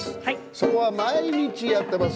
そこは毎日やっています。